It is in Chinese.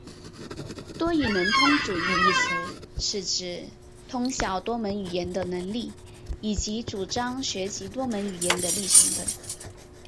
多语能通主义一词是指通晓多门语言的能力以及主张学习多门语言的立场等。